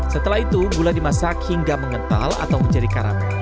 setelah itu gula dimasak hingga mengental atau menjadi karamel